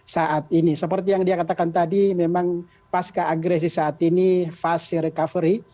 saat ini seperti yang dia katakan tadi memang pasca agresi saat ini fase recovery